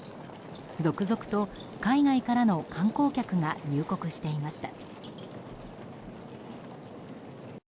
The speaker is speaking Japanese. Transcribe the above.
続々と海外からの観光客が入国していました。